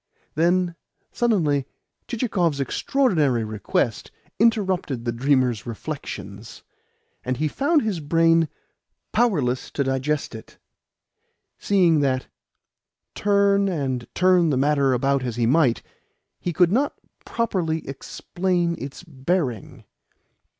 Then suddenly Chichikov's extraordinary request interrupted the dreamer's reflections, and he found his brain powerless to digest it, seeing that, turn and turn the matter about as he might, he could not properly explain its bearing.